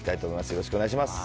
よろしくお願いします。